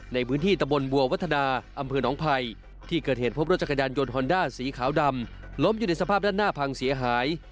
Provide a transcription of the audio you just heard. ในพื้นที่ตะบนบัววัฒนาอำเภอหนองภัยที่เกิดเหตุพบรถจักรยานยนต์ฮอนด้าสีขาวดำล้มอยู่ในสภาพด้านหน้าพังเสียหาย